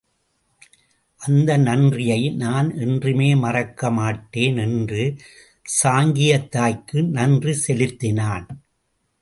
அந்த நன்றியை நான் என்றுமே மறக்க மாட்டேன் என்று சாங்கியத்தாய்க்கு நன்றி செலுத்தினான்.